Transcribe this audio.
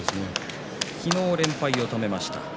昨日、連敗を止めました。